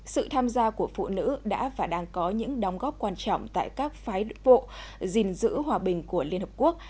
sự tham gia của phụ nữ đã và đang có những đóng góp quan trọng tại các phái vụ gìn giữ hòa bình của liên hợp quốc